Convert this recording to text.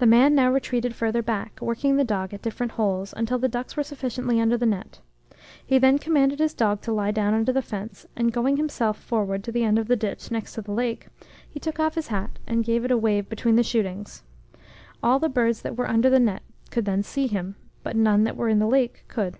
The man now retreated further back, working the dog at different holes, until the ducks were sufficiently under the net. He then commanded his dog to lie down under the fence, and going himself forward to the end of the ditch next the lake, he took off his hat, and gave it a wave between the shootings. All the birds that were under the net could then see him, but none that were in the lake could.